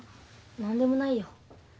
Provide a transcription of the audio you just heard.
何でもないよ。